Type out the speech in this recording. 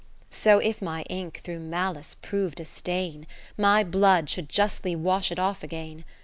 So if my ink through malice prov'd a stain. My blood should justly wash it off again.